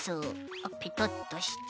あっペトッとして。